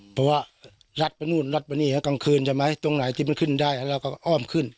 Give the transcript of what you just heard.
เพราะว่ารัดไปนู่นรัดไปนี่ฮะกลางคืนใช่ไหมตรงไหนที่มันขึ้นได้เราก็อ้อมขึ้น